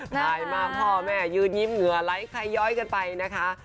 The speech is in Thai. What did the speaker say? ถ่ายมาพ่อแม่ยืนยิ้มเหงื่อไหลไขย้อยกันไปนะคะ